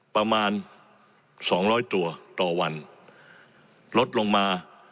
ประมาณสองร้อยตัวต่อวันลดลงมา